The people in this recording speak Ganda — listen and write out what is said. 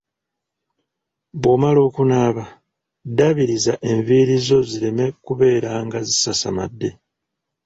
Bw'omala okunaaba ddaabiriza enviiri zo zireme kubeea nga zisasamadde.